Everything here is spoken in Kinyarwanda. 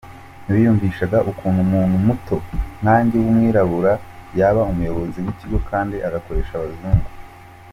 Ntibiyumvishaga ukuntu umuntu muto nkanjye w’umwirabura yaba umuyobozi w’ikigo kandi agakoresha abazungu.